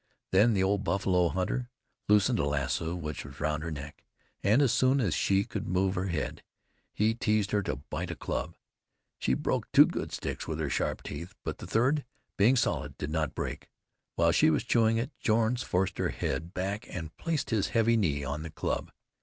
Then the old buffalo hunter loosened the lasso which was round her neck, and as soon as she could move her head, he teased her to bite a club. She broke two good sticks with her sharp teeth, but the third, being solid, did not break. While she was chewing it Jones forced her head back and placed his heavy knee on the club.